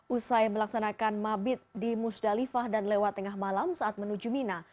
usai melaksanakan mabit di musdalifah dan lewat tengah malam saat menuju mina